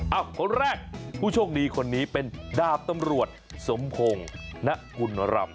คนแรกผู้โชคดีคนนี้เป็นดาบตำรวจสมพงศ์ณกุลรำ